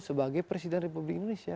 sebagai presiden republik indonesia